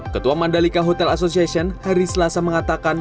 ketua mandalika hotel association hari selasa mengatakan